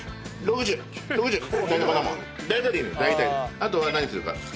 あとは何するか。